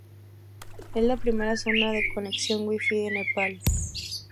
Es la primera zona de conexión Wi-fi de Nepal.